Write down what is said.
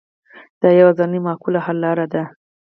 دا یوازینۍ معقوله حل لاره ده.